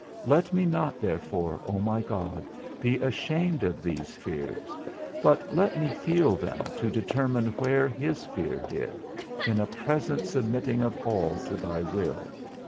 Let me not therefore, O my God, be ashamed of these fears, but let me feel them to determine where his fear did, in a present submitting of all to thy will.